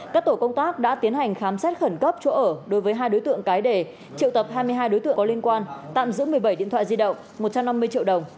các tổ công tác đã tiến hành khám xét khẩn cấp chỗ ở đối với hai đối tượng cái đề triệu tập hai mươi hai đối tượng có liên quan tạm giữ một mươi bảy điện thoại di động một trăm năm mươi triệu đồng